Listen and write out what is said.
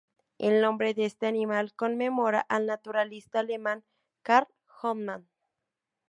El nombre de esta animal conmemora al naturalista alemán Karl Hoffmann.